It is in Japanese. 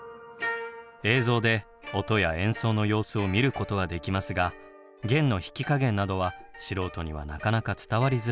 映像で音や演奏の様子を見ることはできますが弦の弾き加減などは素人にはなかなか伝わりづらいものでした。